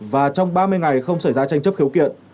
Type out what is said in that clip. và trong ba mươi ngày không xảy ra tranh chấp khiếu kiện